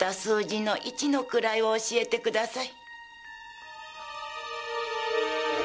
では十の位を教えてください。